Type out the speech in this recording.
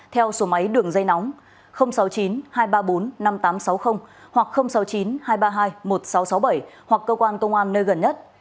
theo số máy đường dây nóng sáu mươi chín hai trăm ba mươi bốn năm nghìn tám trăm sáu mươi hoặc sáu mươi chín hai trăm ba mươi hai một nghìn sáu trăm sáu mươi bảy hoặc cơ quan công an nơi gần nhất